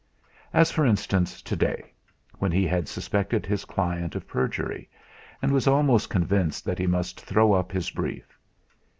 As for instance to day, when he had suspected his client of perjury, and was almost convinced that he must throw up his brief.